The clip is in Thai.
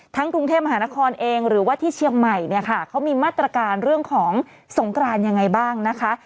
กรุงเทพมหานครเองหรือว่าที่เชียงใหม่เนี่ยค่ะเขามีมาตรการเรื่องของสงกรานยังไงบ้างนะคะ